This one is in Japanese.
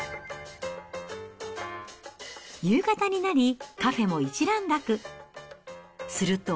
夕方になり、カフェも一段落。